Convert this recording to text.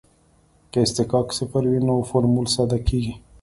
که اصطکاک صفر وي نو فورمول ساده کیږي